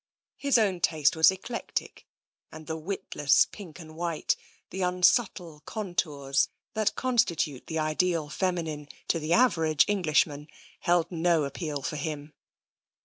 His own taste was eclectic and the witless pink and white, the unsubtle contours that constitute the ideal feminine to the average Englishman, held no appeal for him.